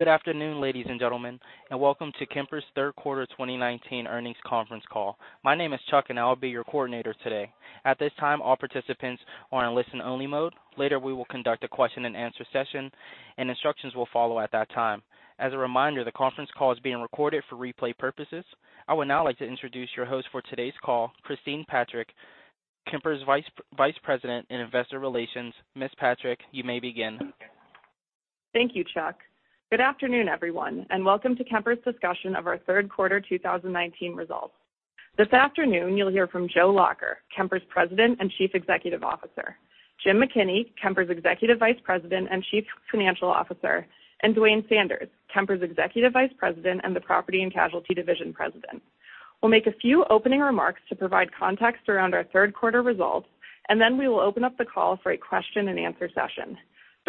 Good afternoon, ladies and gentlemen, welcome to Kemper's third quarter 2019 earnings conference call. My name is Chuck, I will be your coordinator today. At this time, all participants are in listen only mode. Later, we will conduct a question and answer session, instructions will follow at that time. As a reminder, the conference call is being recorded for replay purposes. I would now like to introduce your host for today's call, Christine Patrick, Kemper's Vice President of Investor Relations. Ms. Patrick, you may begin. Thank you, Chuck. Good afternoon, everyone, welcome to Kemper's discussion of our third quarter 2019 results. This afternoon, you'll hear from Joseph Lacher, Kemper's President and Chief Executive Officer. Jim McKinney, Kemper's Executive Vice President and Chief Financial Officer, Duane Sanders, Kemper's Executive Vice President and the Property and Casualty Division President, will make a few opening remarks to provide context around our third quarter results, then we will open up the call for a question and answer session.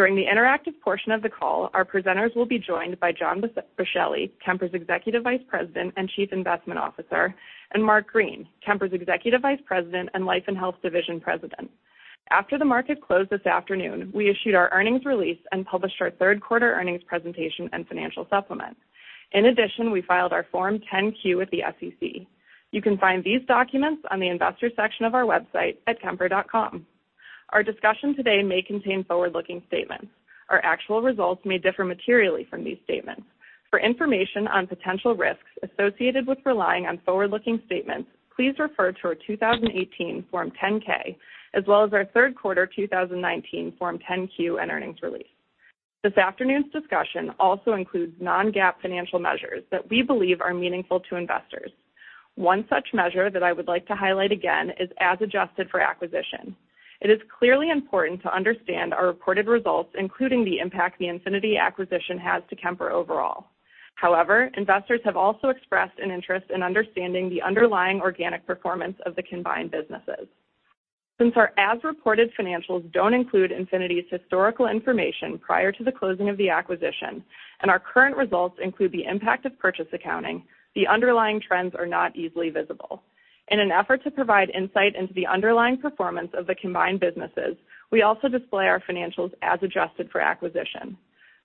During the interactive portion of the call, our presenters will be joined by John Boschelli, Kemper's Executive Vice President and Chief Investment Officer, Mark Green, Kemper's Executive Vice President and Life and Health Division President. After the market closed this afternoon, we issued our earnings release and published our third quarter earnings presentation and financial supplement. In addition, we filed our Form 10-Q with the SEC. You can find these documents on the investor section of our website at kemper.com. Our discussion today may contain forward-looking statements. Our actual results may differ materially from these statements. For information on potential risks associated with relying on forward-looking statements, please refer to our 2018 Form 10-K, as well as our third quarter 2019 Form 10-Q and earnings release. This afternoon's discussion also includes non-GAAP financial measures that we believe are meaningful to investors. One such measure that I would like to highlight again is as adjusted for acquisition. It is clearly important to understand our reported results, including the impact the Infinity acquisition has to Kemper overall. Investors have also expressed an interest in understanding the underlying organic performance of the combined businesses. Since our as-reported financials don't include Infinity's historical information prior to the closing of the acquisition, our current results include the impact of purchase accounting, the underlying trends are not easily visible. In an effort to provide insight into the underlying performance of the combined businesses, we also display our financials as adjusted for acquisition.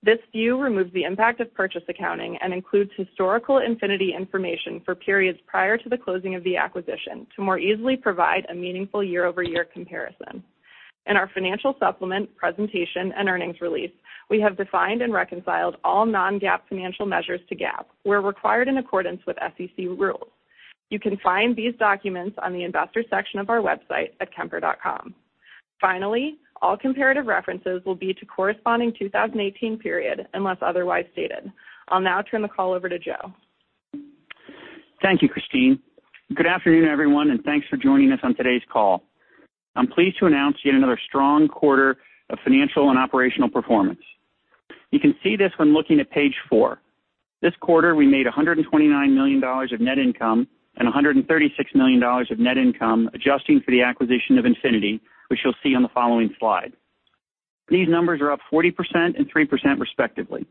This view removes the impact of purchase accounting and includes historical Infinity information for periods prior to the closing of the acquisition to more easily provide a meaningful year-over-year comparison. In our financial supplement presentation and earnings release, we have defined and reconciled all non-GAAP financial measures to GAAP, where required in accordance with SEC rules. You can find these documents on the investor section of our website at kemper.com. Finally, all comparative references will be to corresponding 2018 period unless otherwise stated. I'll now turn the call over to Joe. Thank you, Christine. Good afternoon, everyone, and thanks for joining us on today's call. I'm pleased to announce yet another strong quarter of financial and operational performance. You can see this when looking at page four. This quarter, we made $129 million of net income and $136 million of net income adjusting for the acquisition of Infinity, which you'll see on the following slide. These numbers are up 40% and 3% respectively.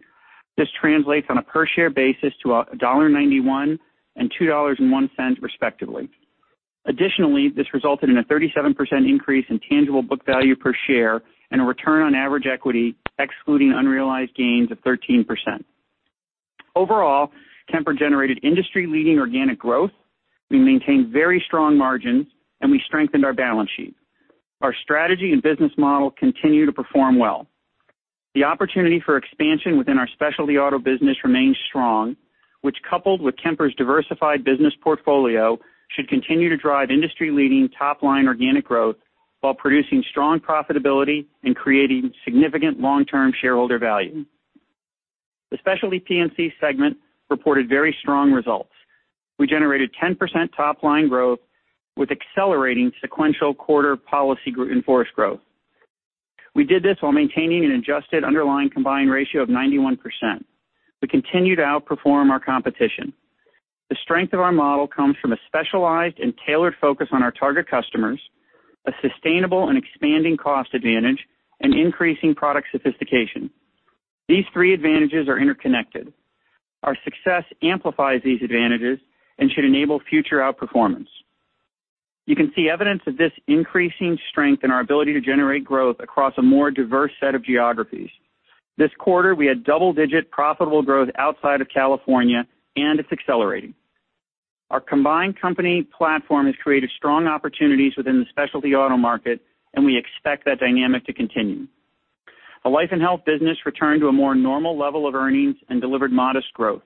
This translates on a per share basis to $1.91 and $2.01 respectively. Additionally, this resulted in a 37% increase in tangible book value per share and a return on average equity excluding unrealized gains of 13%. Overall, Kemper generated industry-leading organic growth, we maintained very strong margins, and we strengthened our balance sheet. Our strategy and business model continue to perform well. The opportunity for expansion within our specialty auto business remains strong, which coupled with Kemper's diversified business portfolio, should continue to drive industry-leading top-line organic growth while producing strong profitability and creating significant long-term shareholder value. The Specialty P&C segment reported very strong results. We generated 10% top-line growth with accelerating sequential quarter policies in force growth. We did this while maintaining an adjusted underlying combined ratio of 91%. We continue to outperform our competition. The strength of our model comes from a specialized and tailored focus on our target customers, a sustainable and expanding cost advantage, and increasing product sophistication. These three advantages are interconnected. Our success amplifies these advantages and should enable future outperformance. You can see evidence of this increasing strength in our ability to generate growth across a more diverse set of geographies. This quarter, we had double-digit profitable growth outside of California, and it's accelerating. Our combined company platform has created strong opportunities within the specialty auto market, and we expect that dynamic to continue. A life and health business returned to a more normal level of earnings and delivered modest growth.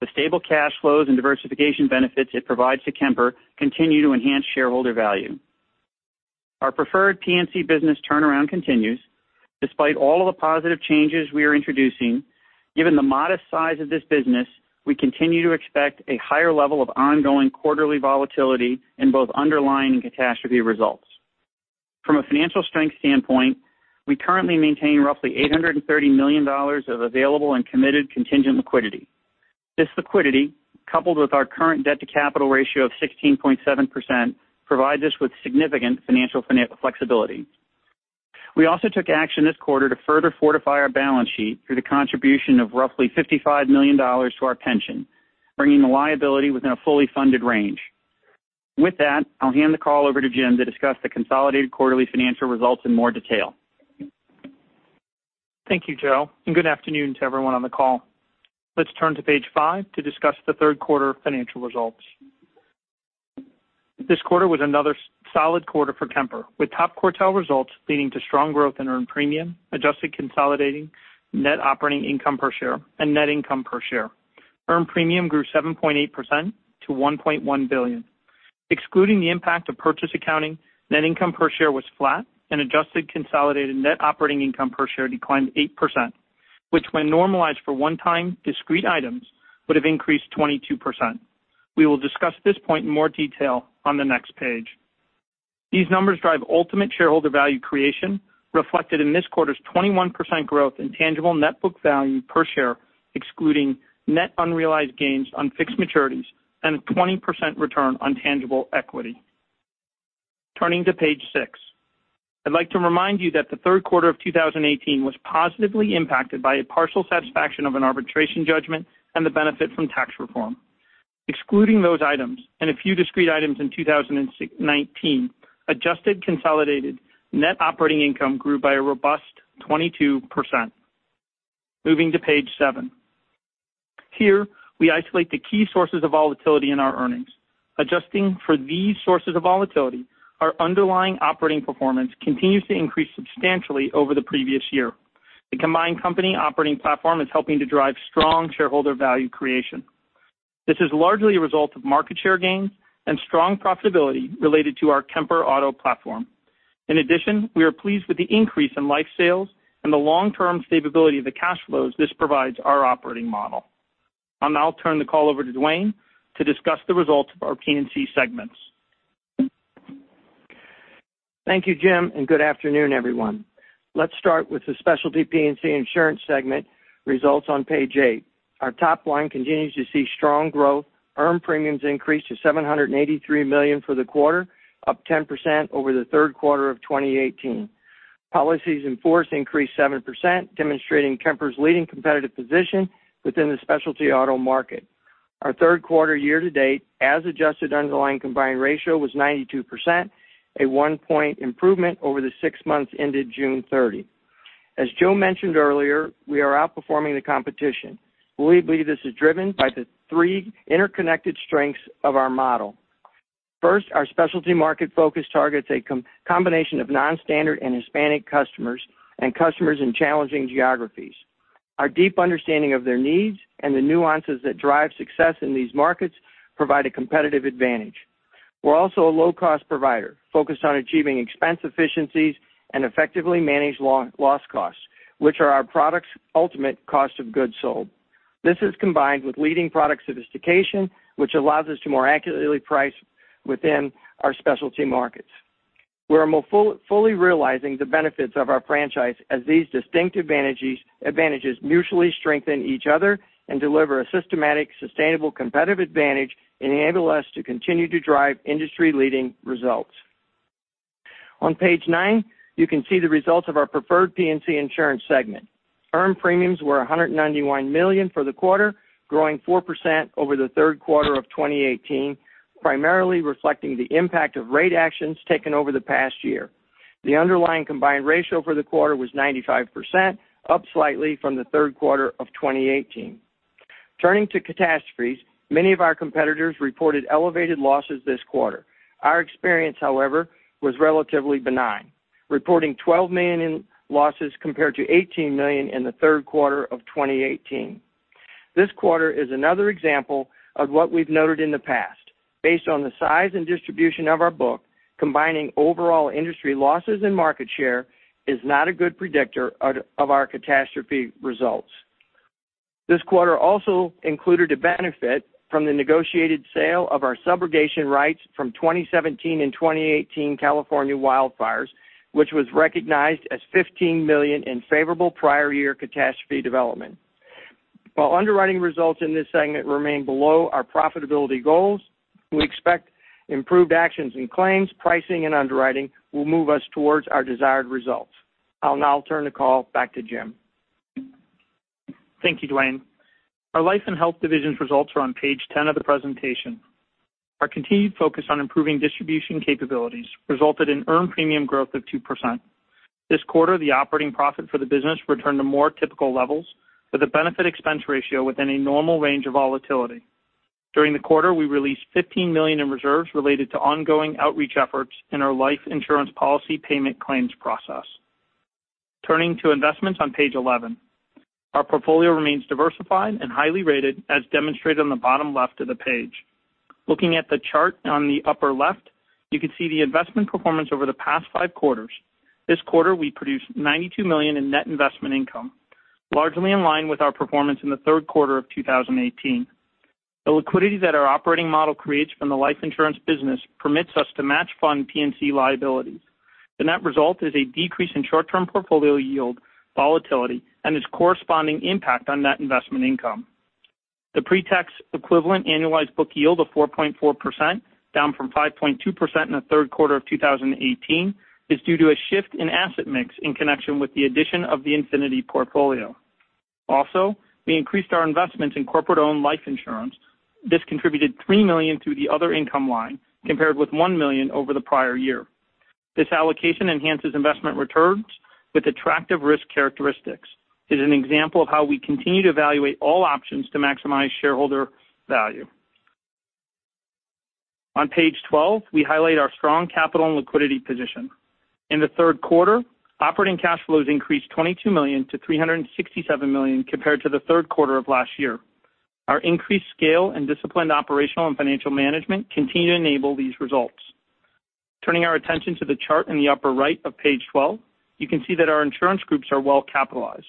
The stable cash flows and diversification benefits it provides to Kemper continue to enhance shareholder value. Our Preferred P&C business turnaround continues. Despite all of the positive changes we are introducing, given the modest size of this business, we continue to expect a higher level of ongoing quarterly volatility in both underlying and catastrophe results. From a financial strength standpoint, we currently maintain roughly $830 million of available and committed contingent liquidity. This liquidity, coupled with our current debt-to-capital ratio of 16.7%, provides us with significant financial flexibility. We also took action this quarter to further fortify our balance sheet through the contribution of roughly $55 million to our pension, bringing the liability within a fully funded range. With that, I'll hand the call over to Jim to discuss the consolidated quarterly financial results in more detail. Thank you, Joe, and good afternoon to everyone on the call. Let's turn to page five to discuss the third quarter financial results. This quarter was another solid quarter for Kemper, with top quartile results leading to strong growth in earned premium, adjusted consolidated net operating income per share and net income per share. Earned premium grew 7.8% to $1.1 billion. Excluding the impact of purchase accounting, net income per share was flat and adjusted consolidated net operating income per share declined 8%, which when normalized for one-time discrete items, would've increased 22%. We will discuss this point in more detail on the next page. These numbers drive ultimate shareholder value creation, reflected in this quarter's 21% growth in tangible book value per share, excluding net unrealized gains on fixed maturities and a 20% return on tangible equity. Turning to page six. I'd like to remind you that the third quarter of 2018 was positively impacted by a partial satisfaction of an arbitration judgment and the benefit from tax reform. Excluding those items and a few discrete items in 2019, adjusted consolidated net operating income grew by a robust 22%. Moving to page seven. Here, we isolate the key sources of volatility in our earnings. Adjusting for these sources of volatility, our underlying operating performance continues to increase substantially over the previous year. The combined company operating platform is helping to drive strong shareholder value creation. This is largely a result of market share gains and strong profitability related to our Kemper Auto platform. In addition, we are pleased with the increase in life sales and the long-term stability of the cash flows this provides our operating model. I'll now turn the call over to Duane to discuss the results of our P&C segments. Thank you, Jim, and good afternoon, everyone. Let's start with the Specialty P&C Insurance segment results on page eight. Our top line continues to see strong growth. Earned premiums increased to $783 million for the quarter, up 10% over the third quarter of 2018. Policies in force increased 7%, demonstrating Kemper's leading competitive position within the specialty auto market. Our third quarter year to date as adjusted underlying combined ratio was 92%, a one-point improvement over the six months ended June 30. As Joe mentioned earlier, we are outperforming the competition. We believe this is driven by the three interconnected strengths of our model. First, our specialty market focus targets a combination of non-standard and Hispanic customers, and customers in challenging geographies. Our deep understanding of their needs and the nuances that drive success in these markets provide a competitive advantage. We're also a low-cost provider, focused on achieving expense efficiencies and effectively manage loss costs, which are our product's ultimate cost of goods sold. This is combined with leading product sophistication, which allows us to more accurately price within our specialty markets. We're fully realizing the benefits of our franchise as these distinct advantages mutually strengthen each other and deliver a systematic, sustainable competitive advantage enabling us to continue to drive industry-leading results. On page nine, you can see the results of our Preferred P&C insurance segment. Earned premiums were $191 million for the quarter, growing 4% over the third quarter of 2018, primarily reflecting the impact of rate actions taken over the past year. The underlying combined ratio for the quarter was 95%, up slightly from the third quarter of 2018. Turning to catastrophes, many of our competitors reported elevated losses this quarter. Our experience, however, was relatively benign, reporting $12 million in losses compared to $18 million in the third quarter of 2018. This quarter is another example of what we've noted in the past. Based on the size and distribution of our book, combining overall industry losses and market share is not a good predictor of our catastrophe results. This quarter also included a benefit from the negotiated sale of our subrogation rights from 2017 and 2018 California wildfires, which was recognized as $15 million in favorable prior year catastrophe development. While underwriting results in this segment remain below our profitability goals, we expect improved actions in claims, pricing, and underwriting will move us towards our desired results. I'll now turn the call back to Jim. Thank you, Duane. Our life and health divisions results are on page 10 of the presentation. Our continued focus on improving distribution capabilities resulted in earned premium growth of 2%. This quarter, the operating profit for the business returned to more typical levels with a benefit expense ratio within a normal range of volatility. During the quarter, we released $15 million in reserves related to ongoing outreach efforts in our life insurance policy payment claims process. Turning to investments on page 11. Our portfolio remains diversified and highly rated as demonstrated on the bottom left of the page. Looking at the chart on the upper left, you can see the investment performance over the past five quarters. This quarter, we produced $92 million in net investment income, largely in line with our performance in the third quarter of 2018. The liquidity that our operating model creates from the life insurance business permits us to match fund P&C liabilities. The net result is a decrease in short-term portfolio yield volatility and its corresponding impact on net investment income. The pre-tax equivalent annualized book yield of 4.4%, down from 5.2% in the third quarter of 2018, is due to a shift in asset mix in connection with the addition of the Infinity portfolio. Also, we increased our investments in corporate-owned life insurance. This contributed $3 million to the other income line, compared with $1 million over the prior year. This allocation enhances investment returns with attractive risk characteristics. It is an example of how we continue to evaluate all options to maximize shareholder value. On page 12, we highlight our strong capital and liquidity position. In the third quarter, operating cash flows increased $22 million to $367 million compared to the third quarter of last year. Our increased scale and disciplined operational and financial management continue to enable these results. Turning our attention to the chart in the upper right of page 12, you can see that our insurance groups are well-capitalized.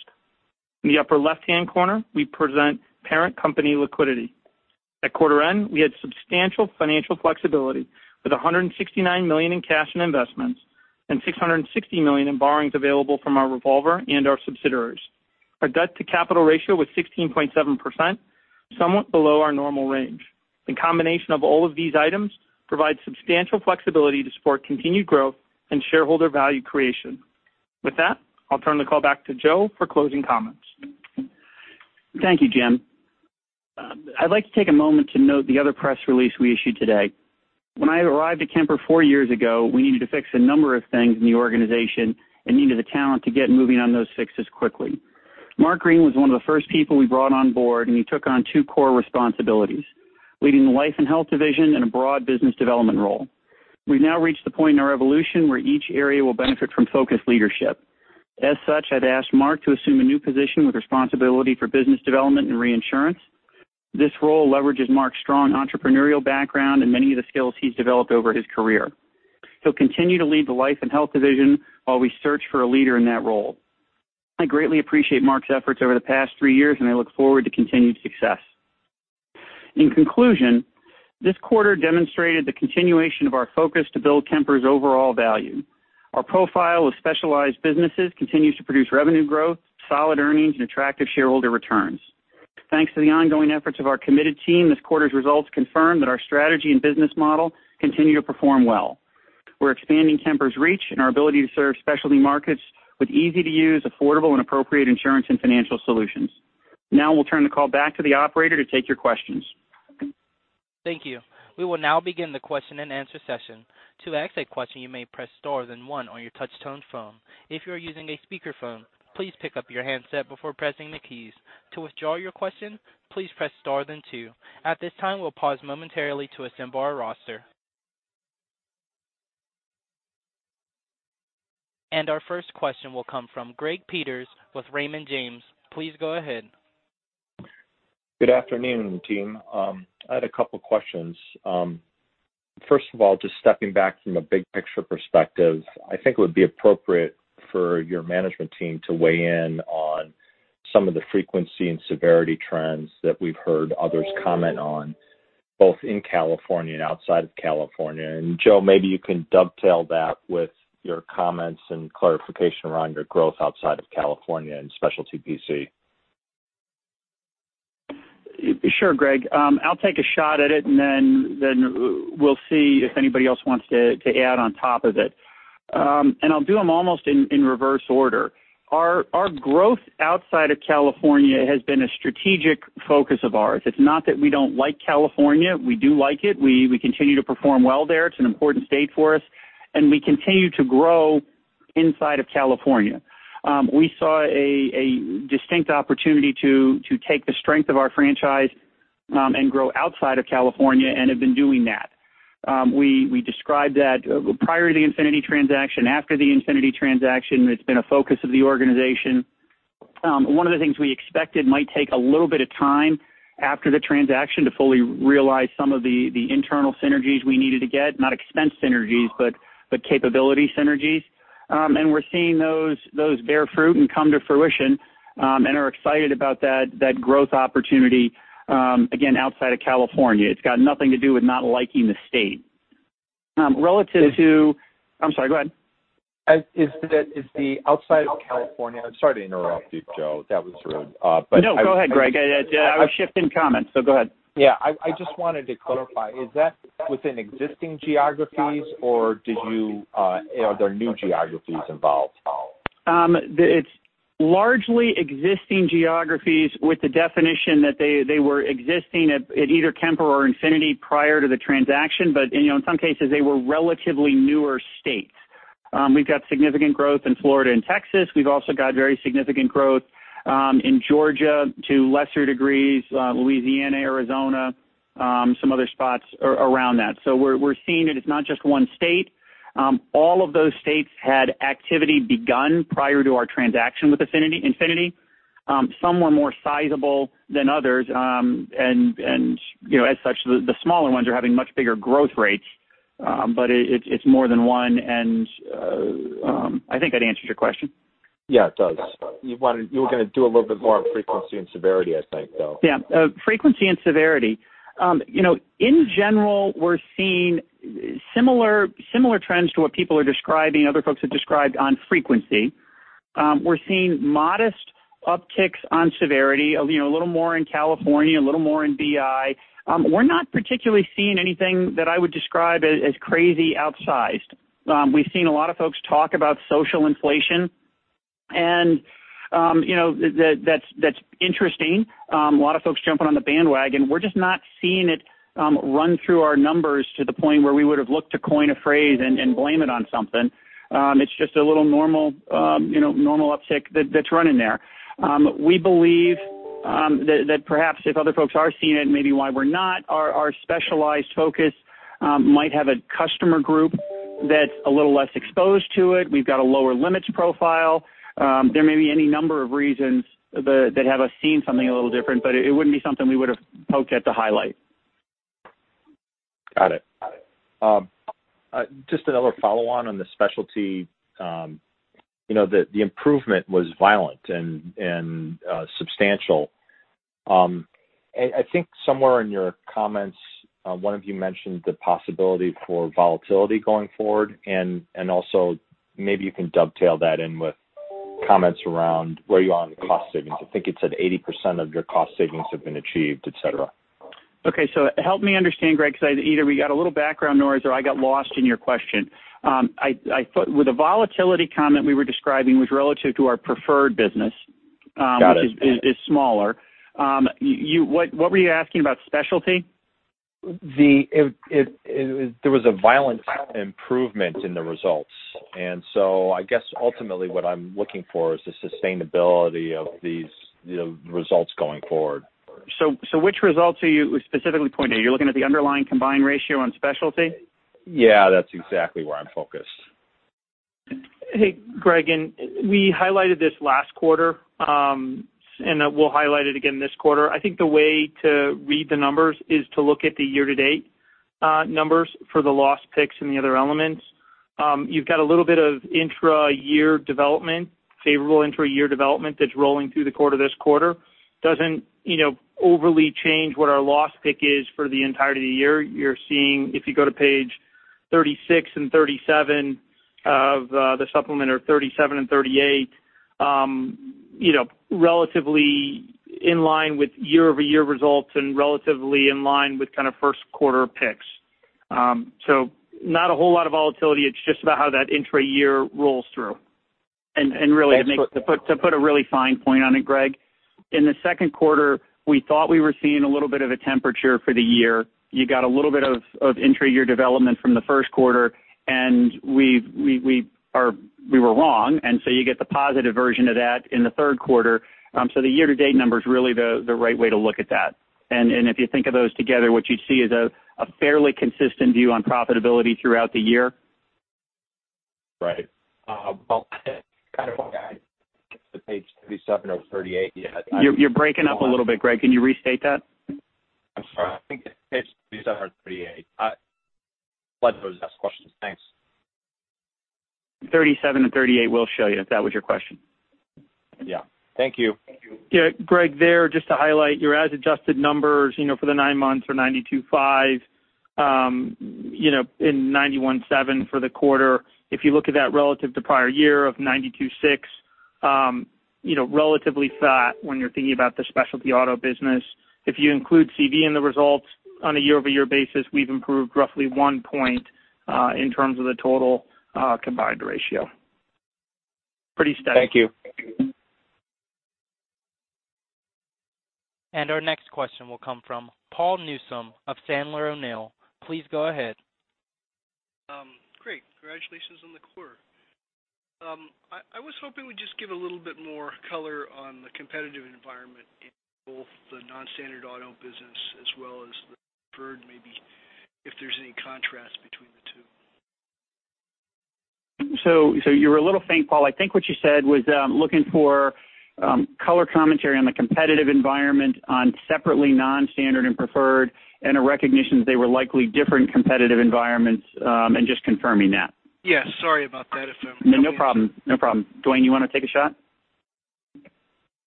In the upper left-hand corner, we present parent company liquidity. At quarter end, we had substantial financial flexibility with $169 million in cash and investments and $660 million in borrowings available from our revolver and our subsidiaries. Our debt-to-capital ratio was 16.7%, somewhat below our normal range. The combination of all of these items provides substantial flexibility to support continued growth and shareholder value creation. With that, I'll turn the call back to Joe for closing comments. Thank you, Jim. I'd like to take a moment to note the other press release we issued today. When I arrived at Kemper four years ago, we needed to fix a number of things in the organization and needed the talent to get moving on those fixes quickly. Mark Green was one of the first people we brought on board, and he took on two core responsibilities, leading the life and health division and a broad business development role. We've now reached the point in our evolution where each area will benefit from focused leadership. As such, I've asked Mark to assume a new position with responsibility for business development and reinsurance. This role leverages Mark's strong entrepreneurial background and many of the skills he's developed over his career. He'll continue to lead the life and health division while we search for a leader in that role. I greatly appreciate Mark's efforts over the past three years. I look forward to continued success. In conclusion, this quarter demonstrated the continuation of our focus to build Kemper's overall value. Our profile of specialized businesses continues to produce revenue growth, solid earnings, and attractive shareholder returns. Thanks to the ongoing efforts of our committed team, this quarter's results confirm that our strategy and business model continue to perform well. We're expanding Kemper's reach and our ability to serve specialty markets with easy-to-use, affordable, and appropriate insurance and financial solutions. I will turn the call back to the operator to take your questions. Thank you. We will now begin the question-and-answer session. To ask a question, you may press star, then one on your touchtone phone. If you are using a speakerphone, please pick up your handset before pressing the keys. To withdraw your question, please press star, then two. At this time, we'll pause momentarily to assemble our roster. Our first question will come from Gregory Peters with Raymond James. Please go ahead. Good afternoon, team. I had a couple questions. First of all, just stepping back from a big picture perspective, I think it would be appropriate for your management team to weigh in on some of the frequency and severity trends that we've heard others comment on, both in California and outside of California. Joe, maybe you can dovetail that with your comments and clarification around your growth outside of California in Specialty P&C. Sure, Greg. I'll take a shot at it, then we'll see if anybody else wants to add on top of it. I'll do them almost in reverse order. Our growth outside of California has been a strategic focus of ours. It's not that we don't like California. We do like it. We continue to perform well there. It's an important state for us, and we continue to grow inside of California. We saw a distinct opportunity to take the strength of our franchise and grow outside of California and have been doing that. We described that prior to the Infinity transaction, after the Infinity transaction, it's been a focus of the organization. One of the things we expected might take a little bit of time after the transaction to fully realize some of the internal synergies we needed to get, not expense synergies, but capability synergies. We're seeing those bear fruit and come to fruition and are excited about that growth opportunity, again, outside of California. It's got nothing to do with not liking the state. Relative to I'm sorry, go ahead. Is the outside of California Sorry to interrupt you, Joe. That was rude. No, go ahead, Greg. I was shifting comments, go ahead. Yeah, I just wanted to clarify, is that within existing geographies, or are there new geographies involved? It's largely existing geographies with the definition that they were existing at either Kemper or Infinity prior to the transaction. In some cases, they were relatively newer states. We've got significant growth in Florida and Texas. We've also got very significant growth in Georgia, to lesser degrees, Louisiana, Arizona, some other spots around that. We're seeing it. It's not just one state. All of those states had activity begun prior to our transaction with Infinity. Some were more sizable than others, and as such, the smaller ones are having much bigger growth rates. It's more than one, and I think that answers your question. Yeah, it does. You were going to do a little bit more on frequency and severity, I think, though. Yeah. Frequency and severity. In general, we're seeing similar trends to what people are describing, other folks have described on frequency. We're seeing modest upticks on severity, a little more in California, a little more in BI. We're not particularly seeing anything that I would describe as crazy outsized. We've seen a lot of folks talk about social inflation. That's interesting. A lot of folks jumping on the bandwagon. We're just not seeing it run through our numbers to the point where we would've looked to coin a phrase and blame it on something. It's just a little normal uptick that's running there. We believe that perhaps if other folks are seeing it, maybe why we're not, our specialized focus might have a customer group that's a little less exposed to it. We've got a lower limits profile. There may be any number of reasons that have us seeing something a little different, but it wouldn't be something we would've poked at to highlight. Got it. Just another follow-on on the specialty. The improvement was violent and substantial. I think somewhere in your comments, one of you mentioned the possibility for volatility going forward, and also maybe you can dovetail that in with comments around where you are on cost savings. I think you said 80% of your cost savings have been achieved, et cetera. Okay. Help me understand, Greg, because either we got a little background noise or I got lost in your question. With the volatility comment we were describing was relative to our preferred business- Got it. Which is smaller. What were you asking about specialty? There was a violent improvement in the results. I guess ultimately what I'm looking for is the sustainability of these results going forward. Which results are you specifically pointing at? You're looking at the underlying combined ratio on specialty? Yeah, that's exactly where I'm focused. Hey, Greg, we highlighted this last quarter, we'll highlight it again this quarter. I think the way to read the numbers is to look at the year-to-date numbers for the loss picks and the other elements. You've got a little bit of intra-year development, favorable intra-year development that's rolling through the quarter this quarter. Doesn't overly change what our loss pick is for the entirety of the year. You're seeing, if you go to page 36 and 37 of the supplement or 37 and 38, relatively in line with year-over-year results and relatively in line with first quarter picks. Not a whole lot of volatility. It's just about how that intra-year rolls through. Really to put a really fine point on it, Greg, in the second quarter, we thought we were seeing a little bit of a temperature for the year. You got a little bit of intra-year development from the first quarter, we were wrong, you get the positive version of that in the third quarter. The year-to-date number's really the right way to look at that. If you think of those together, what you'd see is a fairly consistent view on profitability throughout the year. Right. Well, I get to page 37 or 38 yet. You're breaking up a little bit, Greg. Can you restate that? I'm sorry. I think it's page 37 or 38. I'd like to ask questions. Thanks. 37 and 38 will show you, if that was your question. Yeah. Thank you. Greg, just to highlight, your as-adjusted numbers for the nine months are 92.5% and 91.7% for the quarter. If you look at that relative to prior year of 92.6%, relatively flat when you're thinking about the specialty auto business. If you include CV in the results on a year-over-year basis, we've improved roughly one point, in terms of the total combined ratio. Pretty steady. Thank you. Our next question will come from Paul Newsome of Sandler O'Neill. Please go ahead. Great. Congratulations on the quarter. I was hoping you would just give a little bit more color on the competitive environment in both the non-standard auto business as well as the Preferred, maybe if there's any contrast between the two. You were a little faint, Paul. I think what you said was, looking for color commentary on the competitive environment on separately non-standard and preferred, and a recognition that they were likely different competitive environments, and just confirming that. Yeah. Sorry about that. No problem. Duane, you want to take a shot?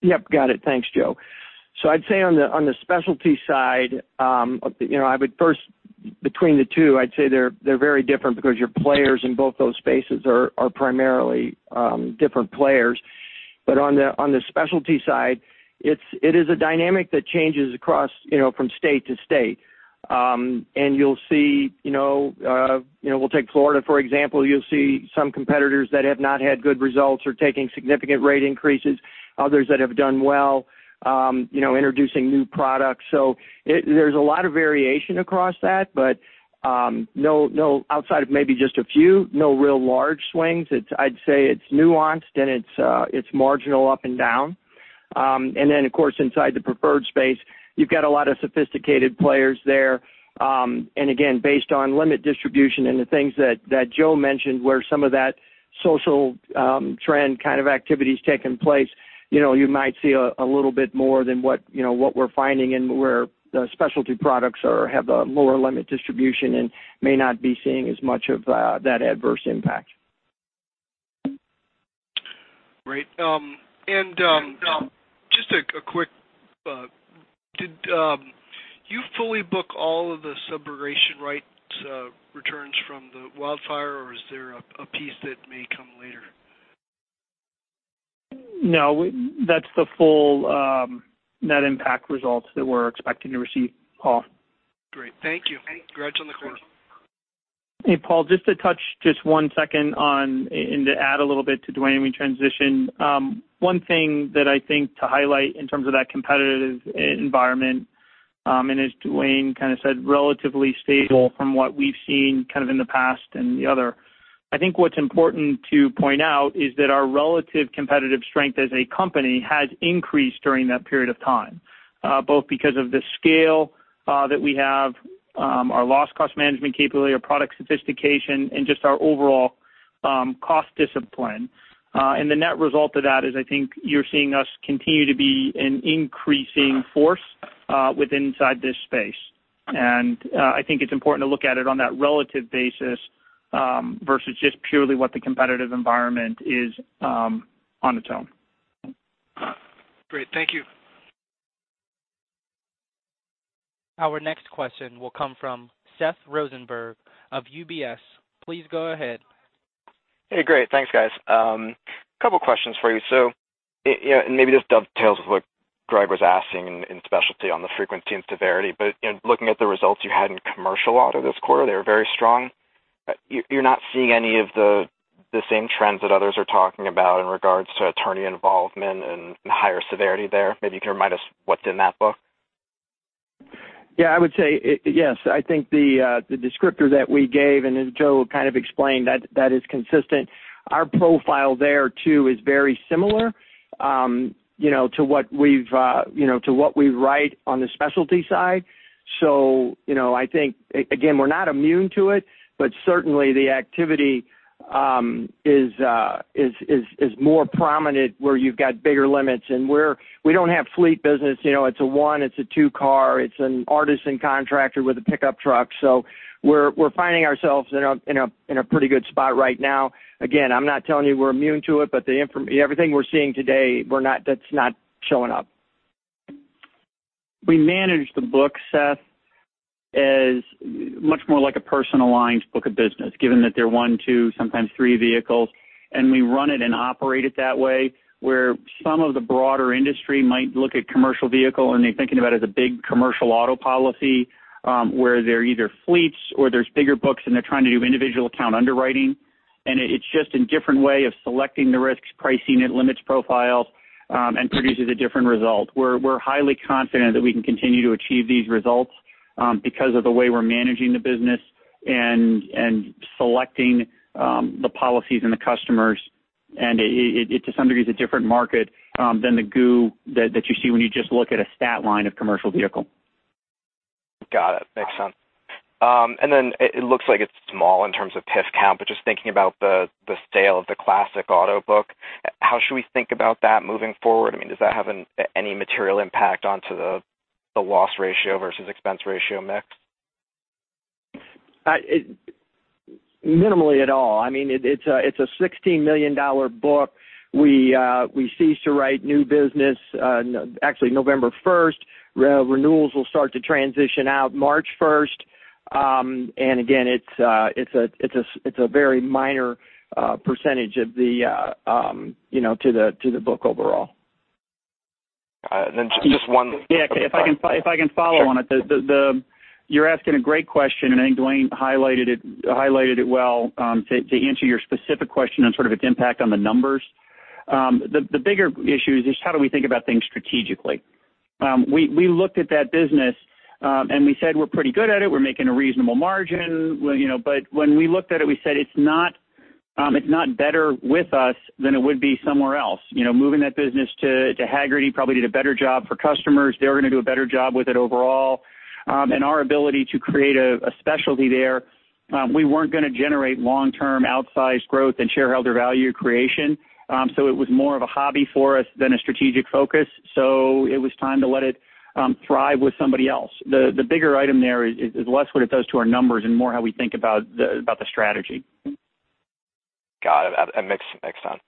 Yep, got it. Thanks, Joe. I'd say on the specialty side, between the two, I'd say they're very different because your players in both those spaces are primarily different players. On the specialty side, it is a dynamic that changes across from state to state. You'll see, we'll take Florida, for example. You'll see some competitors that have not had good results are taking significant rate increases, others that have done well, introducing new products. There's a lot of variation across that, but outside of maybe just a few, no real large swings. I'd say it's nuanced, and it's marginal up and down. Then of course, inside the preferred space, you've got a lot of sophisticated players there. Based on limit distribution and the things that Joe mentioned, where some of that social trend kind of activity's taking place, you might see a little bit more than what we're finding in where the specialty products have a lower limit distribution and may not be seeing as much of that adverse impact. Great. Just a quick, did you fully book all of the subrogation rights returns from the wildfire, or is there a piece that may come later? No, that's the full net impact results that we're expecting to receive, Paul. Great. Thank you. Congrats on the quarter. Hey, Paul, just to touch just one second on, and to add a little to Duane when we transition. One thing that I think to highlight in terms of that competitive environment, as Duane said, relatively stable from what we've seen in the past and the other. I think what's important to point out is that our relative competitive strength as a company has increased during that period of time, both because of the scale that we have, our loss cost management capability, our product sophistication, and just our overall cost discipline. The net result of that is, I think you're seeing us continue to be an increasing force inside this space. I think it's important to look at it on that relative basis, versus just purely what the competitive environment is on its own. Great. Thank you. Our next question will come from Seth Rosenberg of UBS. Please go ahead. Hey, great. Thanks, guys. Couple questions for you. Maybe this dovetails with what Greg was asking in specialty on the frequency and severity, but looking at the results you had in commercial auto this quarter, they were very strong. You're not seeing any of the same trends that others are talking about in regards to attorney involvement and higher severity there. Maybe you can remind us what's in that book. Yeah, I would say yes. I think the descriptor that we gave, and as Joe kind of explained, that is consistent. Our profile there, too, is very similar to what we write on the specialty side. I think, again, we're not immune to it, but certainly the activity is more prominent where you've got bigger limits. We don't have fleet business. It's a one, it's a two-car, it's an artisan contractor with a pickup truck. We're finding ourselves in a pretty good spot right now. Again, I'm not telling you we're immune to it, everything we're seeing today, that's not showing up. We manage the book, Seth, as much more like a personal lines book of business, given that they're one, two, sometimes three vehicles, we run it and operate it that way, where some of the broader industry might look at commercial vehicle, they're thinking about it as a big commercial auto policy, where they're either fleets or there's bigger books, they're trying to do individual account underwriting. It's just a different way of selecting the risks, pricing it, limits profiles, produces a different result. We're highly confident that we can continue to achieve these results because of the way we're managing the business and selecting the policies and the customers, it to some degree, is a different market than the goo that you see when you just look at a stat line of commercial vehicle. Got it. Makes sense. Then it looks like it's small in terms of PIF count, just thinking about the sale of the Classic Collectors book, how should we think about that moving forward? I mean, does that have any material impact onto the loss ratio versus expense ratio mix? Minimally at all. It's a $16 million book. We ceased to write new business, actually November 1st. Renewals will start to transition out March 1st. Again, it's a very minor percentage to the book overall. All right. Yeah, if I can follow on it. Sure. You're asking a great question, I think Duane highlighted it well to answer your specific question on sort of its impact on the numbers. The bigger issue is just how do we think about things strategically? We looked at that business, we said we're pretty good at it. We're making a reasonable margin. When we looked at it, we said, it's not better with us than it would be somewhere else. Moving that business to Hagerty probably did a better job for customers. They were going to do a better job with it overall. Our ability to create a specialty there, we weren't going to generate long-term outsized growth and shareholder value creation. It was more of a hobby for us than a strategic focus. It was time to let it thrive with somebody else. The bigger item there is less what it does to our numbers and more how we think about the strategy. Got it. That makes sense.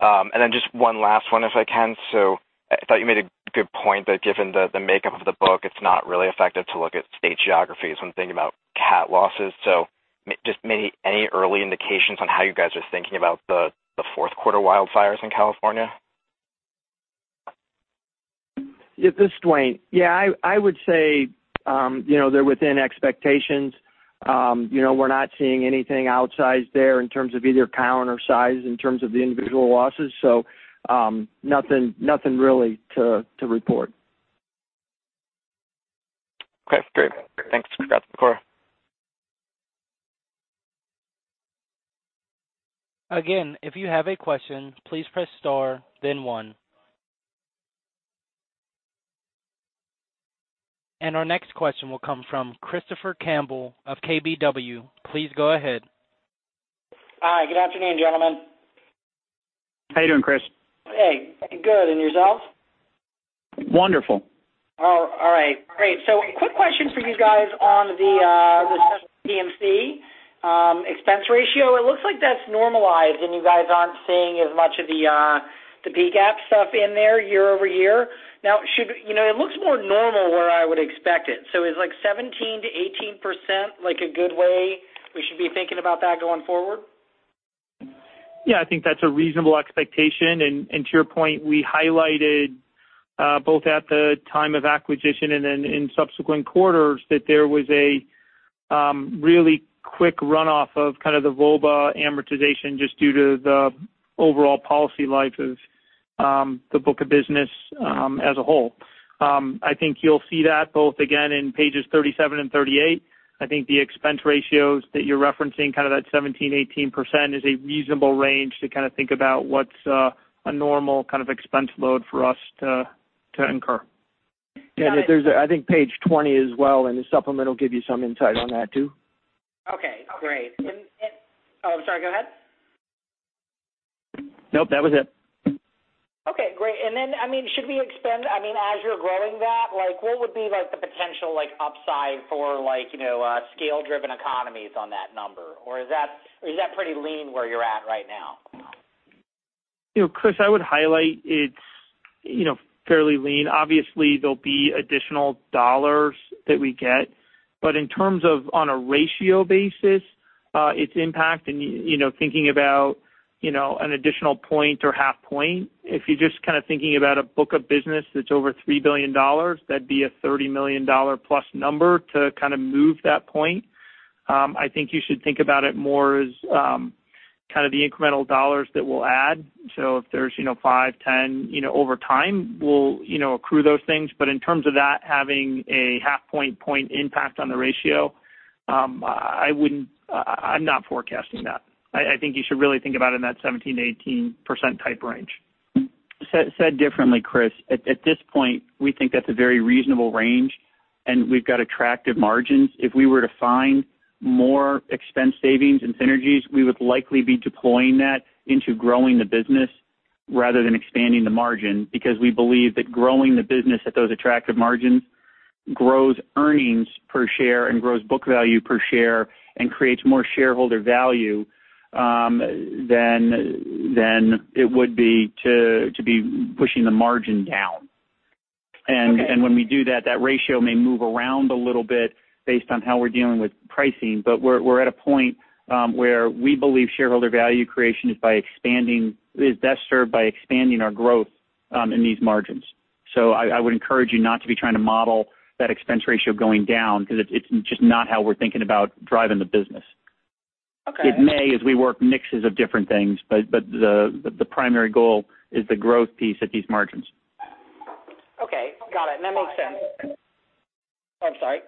Then just one last one if I can. I thought you made a good point that given the makeup of the book, it's not really effective to look at state geographies when thinking about cat losses. Just maybe any early indications on how you guys are thinking about the fourth quarter wildfires in California? This is Duane. I would say, they're within expectations. We're not seeing anything outsized there in terms of either count or size in terms of the individual losses. Nothing really to report. Great. Thanks. Appreciate the call. Again, if you have a question, please press star, then one. Our next question will come from Christopher Campbell of KBW. Please go ahead. Hi. Good afternoon, gentlemen. How you doing, Chris? Hey. Good. Yourself? Wonderful. All right. Great. Quick question for you guys on the Specialty P&C expense ratio. It looks like that's normalized, and you guys aren't seeing as much of the BI stuff in there year-over-year. Now, it looks more normal where I would expect it. Is like 17%-18%, like a good way we should be thinking about that going forward? Yeah, I think that's a reasonable expectation. To your point, we highlighted, both at the time of acquisition and then in subsequent quarters, that there was a really quick runoff of kind of the VOBA amortization just due to the overall policy life of the book of business as a whole. I think you'll see that both again in pages 37 and 38. I think the expense ratios that you're referencing, kind of that 17%, 18%, is a reasonable range to think about what's a normal kind of expense load for us to incur. There's, I think, page 20 as well in the supplemental will give you some insight on that, too. Okay, great. Oh, I'm sorry. Go ahead. Nope. That was it. Okay, great. Should we expect, as you're growing that, what would be the potential upside for scale-driven economies on that number? Or is that pretty lean where you're at right now? Chris, I would highlight it's fairly lean. Obviously, there'll be additional dollars that we get. In terms of on a ratio basis, its impact and thinking about an additional point or half point, if you're just kind of thinking about a book of business that's over $3 billion, that'd be a $30 million-plus number to kind of move that point. I think you should think about it more as kind of the incremental dollars that we'll add. If there's five, 10 over time, we'll accrue those things. In terms of that having a half point impact on the ratio, I'm not forecasting that. I think you should really think about it in that 17%-18% type range. Said differently, Chris, at this point, we think that's a very reasonable range, and we've got attractive margins. If we were to find more expense savings and synergies, we would likely be deploying that into growing the business rather than expanding the margin, because we believe that growing the business at those attractive margins grows earnings per share and grows book value per share and creates more shareholder value than it would be to be pushing the margin down. Okay. When we do that ratio may move around a little bit based on how we're dealing with pricing. We're at a point where we believe shareholder value creation is best served by expanding our growth in these margins. I would encourage you not to be trying to model that expense ratio going down, because it's just not how we're thinking about driving the business. Okay. It may, as we work mixes of different things, but the primary goal is the growth piece at these margins. Okay. Got it. That makes sense. Oh, I'm sorry.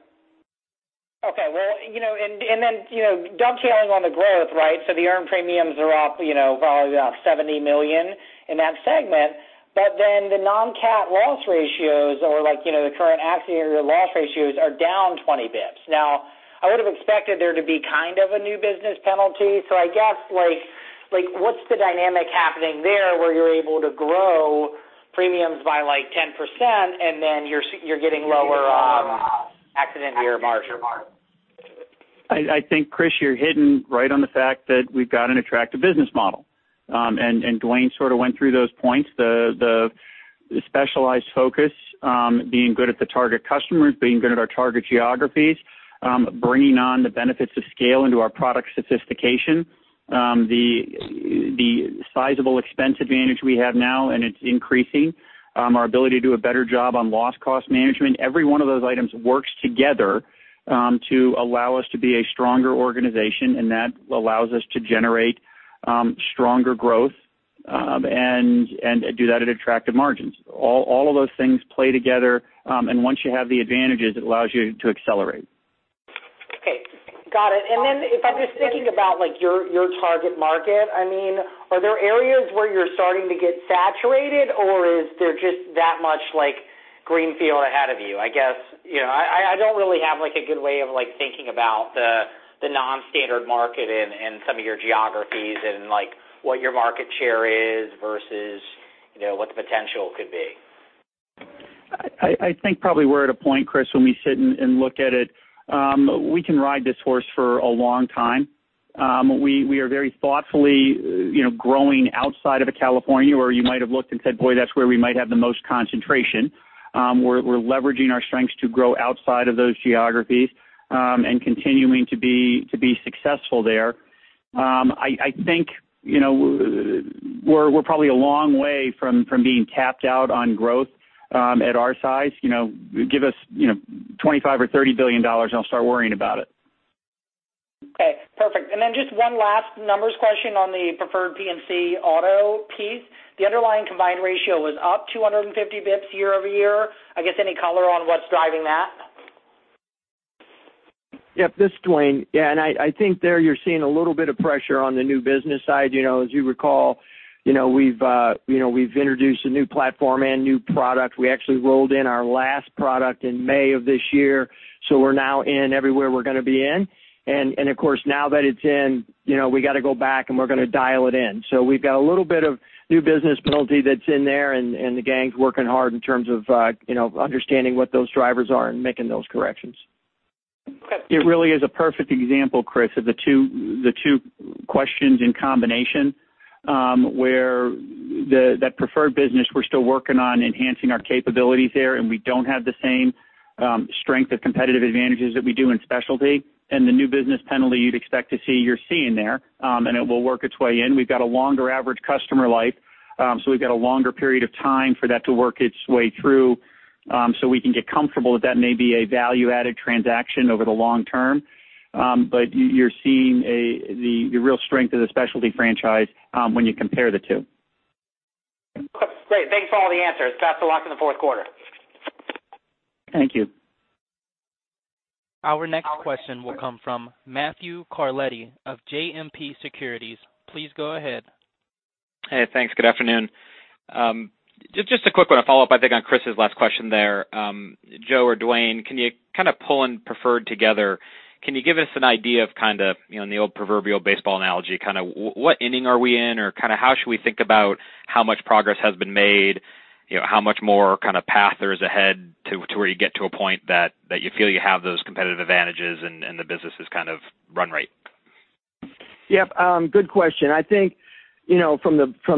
Okay. Dovetailing on the growth, right? The earned premiums are up probably about $70 million in that segment. The non-cat loss ratios, or the current accident year loss ratios, are down 20 basis points. I would've expected there to be kind of a new business penalty. I guess, what's the dynamic happening there where you're able to grow premiums by 10% and then you're getting lower accident year margin? I think, Chris, you're hitting right on the fact that we've got an attractive business model. Duane sort of went through those points. The specialized focus, being good at the target customers, being good at our target geographies, bringing on the benefits of scale into our product sophistication. The sizable expense advantage we have now, and it's increasing. Our ability to do a better job on loss cost management. Every one of those items works together to allow us to be a stronger organization, and that allows us to generate stronger growth, and do that at attractive margins. All of those things play together. Once you have the advantages, it allows you to accelerate. Okay. Got it. If I'm just thinking about your target market, are there areas where you're starting to get saturated, or is there just that much green field ahead of you? I guess, I don't really have a good way of thinking about the non-standard market in some of your geographies and what your market share is versus what the potential could be. I think probably we're at a point, Chris, when we sit and look at it. We can ride this horse for a long time. We are very thoughtfully growing outside of California, where you might have looked and said, "Boy, that's where we might have the most concentration." We're leveraging our strengths to grow outside of those geographies, continuing to be successful there. I think we're probably a long way from being capped out on growth at our size. Give us $25 billion or $30 billion, and I'll start worrying about it. Okay, perfect. Then just one last numbers question on the Preferred P&C auto piece. The underlying combined ratio was up 250 basis points year-over-year. I guess any color on what's driving that? Yep. This is Duane. I think there you're seeing a little bit of pressure on the new business side. As you recall, we've introduced a new platform and new product. We actually rolled in our last product in May of this year, we're now in everywhere we're going to be in. Of course, now that it's in, we got to go back, and we're going to dial it in. We've got a little bit of new business penalty that's in there, the gang's working hard in terms of understanding what those drivers are and making those corrections. Okay. It really is a perfect example, Chris, of the two questions in combination, where that Preferred business, we're still working on enhancing our capabilities there, we don't have the same strength of competitive advantages that we do in Specialty. The new business penalty you'd expect to see, you're seeing there, it will work its way in. We've got a longer average customer life, we've got a longer period of time for that to work its way through, we can get comfortable that may be a value-added transaction over the long term. You're seeing the real strength of the Specialty franchise when you compare the two. Great. Thanks for all the answers. Best of luck in the fourth quarter. Thank you. Our next question will come from Matthew Carletti of JMP Securities. Please go ahead. Hey, thanks. Good afternoon. Just a quick one, a follow-up, I think, on Chris's last question there. Joe or Duane, can you kind of pull in preferred together? Can you give us an idea of kind of, in the old proverbial baseball analogy, what inning are we in? How should we think about how much progress has been made, how much more path there is ahead to where you get to a point that you feel you have those competitive advantages and the business is kind of run right? Yep.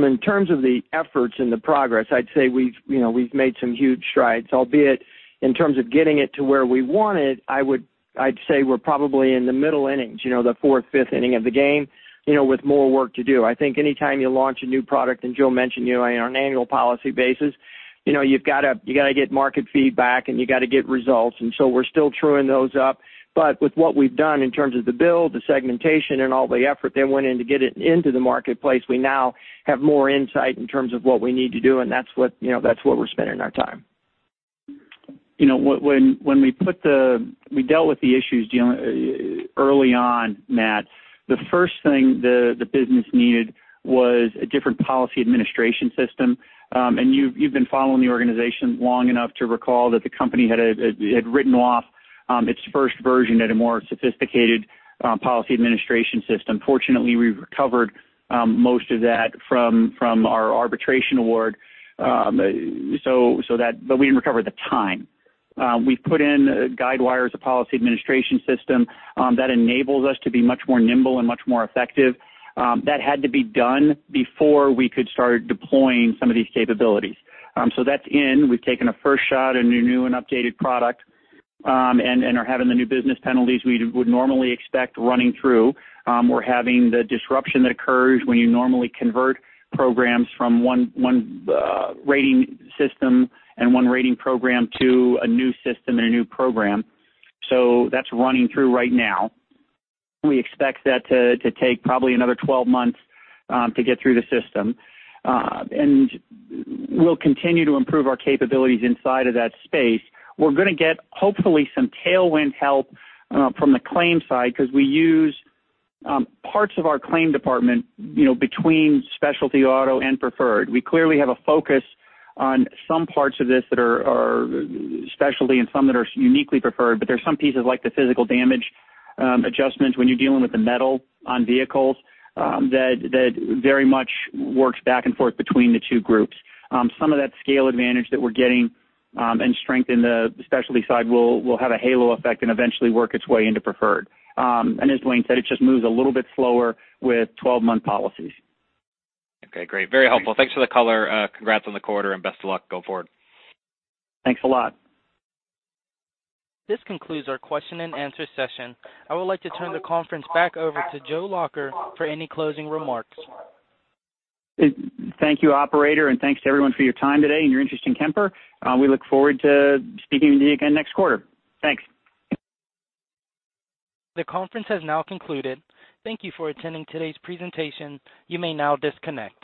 In terms of the efforts and the progress, I'd say we've made some huge strides, albeit in terms of getting it to where we want it, I'd say we're probably in the middle innings, the fourth, fifth inning of the game, with more work to do. Anytime you launch a new product, and Joe mentioned, on an annual policy basis, you've got to get market feedback, and you got to get results. We're still truing those up. With what we've done in terms of the build, the segmentation, and all the effort that went in to get it into the marketplace, we now have more insight in terms of what we need to do, and that's what we're spending our time. When we dealt with the issues dealing early on, Matt, the first thing the business needed was a different policy administration system. You've been following the organization long enough to recall that the company had written off its first version at a more sophisticated policy administration system. Fortunately, we've recovered most of that from our arbitration award. We didn't recover the time. We've put in Guidewire as a policy administration system that enables us to be much more nimble and much more effective. That had to be done before we could start deploying some of these capabilities. That's in. We've taken a first shot at a new and updated product, and are having the new business penalties we would normally expect running through. We're having the disruption that occurs when you normally convert programs from one rating system and one rating program to a new system and a new program. That's running through right now. We expect that to take probably another 12 months to get through the system. We'll continue to improve our capabilities inside of that space. We're going to get, hopefully, some tailwind help from the claims side because we use parts of our claim department between specialty auto and Preferred. We clearly have a focus on some parts of this that are Specialty and some that are uniquely Preferred, but there's some pieces like the physical damage adjustments when you're dealing with the metal on vehicles, that very much works back and forth between the two groups. Some of that scale advantage that we're getting and strength in the Specialty side will have a halo effect and eventually work its way into Preferred. As Duane said, it just moves a little bit slower with 12-month policies. Okay, great. Very helpful. Thanks for the color. Congrats on the quarter, and best of luck going forward. Thanks a lot. This concludes our question and answer session. I would like to turn the conference back over to Joseph Lacher for any closing remarks. Thank you, operator, and thanks to everyone for your time today and your interest in Kemper. We look forward to speaking with you again next quarter. Thanks. The conference has now concluded. Thank you for attending today's presentation. You may now disconnect.